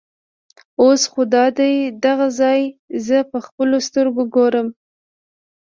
اوس خو دادی دغه ځای زه په خپلو سترګو ګورم.